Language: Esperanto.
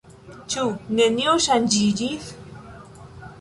Ĉu nenio ŝanĝiĝis?